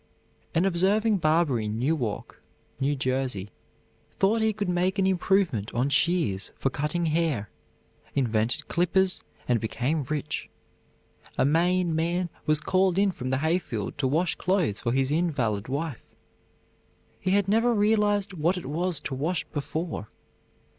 An observing barber in Newark, N. J., thought he could make an improvement on shears for cutting hair, invented clippers, and became rich. A Maine man was called in from the hayfield to wash clothes for his invalid wife. He had never realized what it was to wash before.